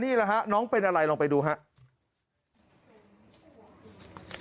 นี่แหละฮะน้องเป็นอะไรลองไปดูครับ